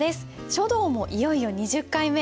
書道もいよいよ２０回目。